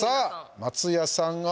松也さんが？